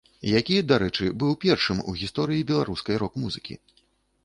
Які, дарэчы, быў першым у гісторыі беларускай рок-музыкі.